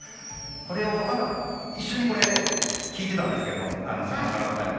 これを何か一緒にこれ聞いてたんですけれども専門家の方に。